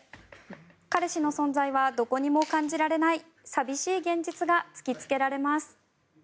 彼氏の存在はどこにも感じられない寂しい現実が突きつけられます。